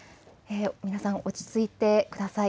皆さん、落ち着いてください。